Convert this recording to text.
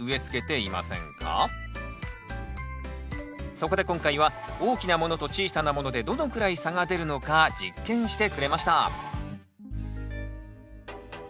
そこで今回は大きなものと小さなものでどのくらい差が出るのか実験してくれました